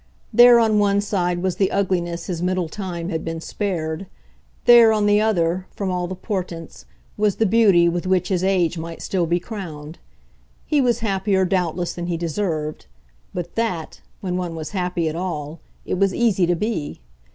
There on one side was the ugliness his middle time had been spared; there on the other, from all the portents, was the beauty with which his age might still be crowned. He was happier, doubtless, than he deserved; but THAT, when one was happy at all, it was easy to be.